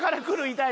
痛い！